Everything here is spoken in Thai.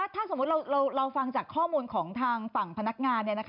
ถ้าสมมุติเราฟังจากข้อมูลของทางฝั่งพนักงาน